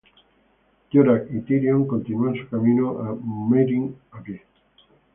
Jorah y Tyrion continúan su camino a Meereen a pie.